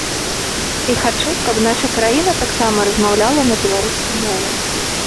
І хачу, каб наша краіна таксама размаўляла на беларускай мове.